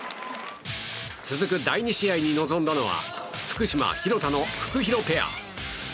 続く第２試合に臨んだのは福島、廣田のフクヒロペア。